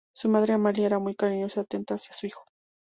Su madre, Amalia, era muy cariñosa y atenta hacia su hijo.